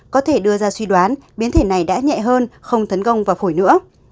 có thể đưa ra suy đoán biến thể này đã nhẹ hơn không thấn công và phổi nữa